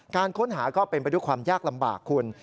การค้นหาก็เป็นไปด้วยความยากลำบากคุณ